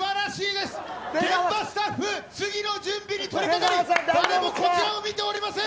ではスタッフ、次の準備に取りかかり、誰もこちらを見ておりません。